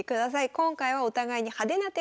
今回はお互いに派手な手が飛び交う